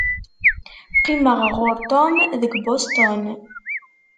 Qqimeɣ ɣur Tom deg Boston.